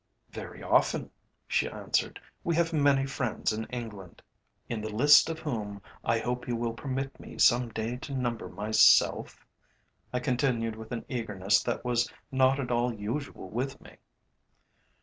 "Very often," she answered; "we have many friends in England." "In the list of whom I hope you will permit me some day to number myself?" I continued with an eagerness that was not at all usual with me.